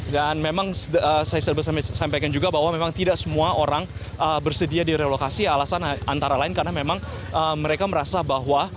dan memang saya sabar sampaikan juga bahwa memang tidak semua orang bersedia direlokasi alasan antara lain karena memang mereka merasa bahwa